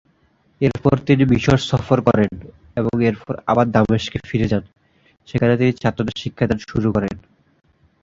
এরপর তিনি মিশর সফর করেন এবং এরপর আবার দামেস্কে ফিরে যান, সেখানে তিনি ছাত্রদের শিক্ষাদান শুরু করেন।